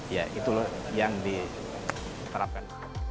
ya itu yang diterapkan